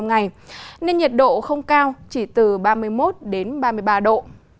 nên nhiệt độ không cao chỉ từ ba mươi một đến ba mươi ba độ